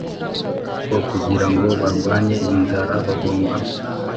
ko kugira ngo barwanye inzara bagomba